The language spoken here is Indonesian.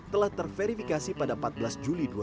telah terverifikasi pada empat belas juli dua ribu dua puluh